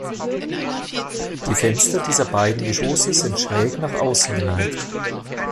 Die Fenster dieser beiden Geschosse sind schräg nach außen geneigt.